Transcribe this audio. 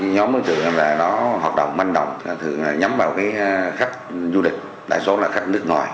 nhóm đối tượng đó hoạt động manh động thường nhắm vào khách du lịch đa số là khách nước ngoài